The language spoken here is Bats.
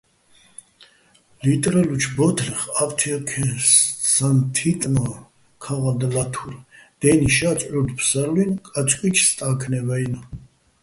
ლიტრილიჩო̆ ბო́თლეხ ა́ფთიაქესაჼ თიტენო̆ ქაღალდ ლათურ: "დე́ნი შაწ, ჺურდ-ფსარლუჲნი̆ კაწკუჲჩი̆ სტა́ქნევ-აჲნო̆".